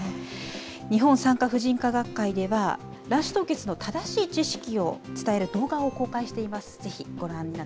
日本産科婦人科学会では、卵子凍結の正しい知識を伝える動画を公開しています。